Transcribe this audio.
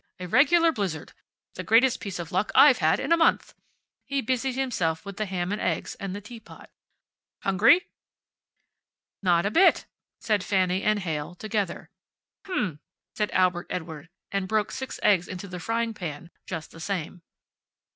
"A regular blizzard. The greatest piece of luck I've had in a month." He busied himself with the ham and eggs and the teapot. "Hungry?" "Not a bit," said Fanny and Heyl, together. "H'm," said Albert Edward, and broke six eggs into the frying pan just the same.